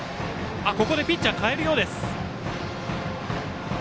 ここでピッチャーを代えるようです。